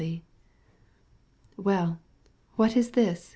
"Well, what is it?"